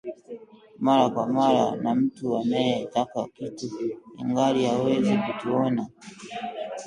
mara kwa mara na mtu anayetaka kitu ingali hawezi kutuona